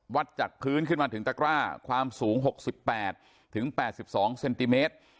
จากพื้นขึ้นมาถึงตะกร้าความสูง๖๘๘๒เซนติเมตร